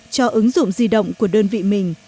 cho ứng dụng di động của đơn vị mình